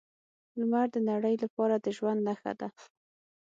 لمر د نړۍ لپاره د ژوند نښه ده.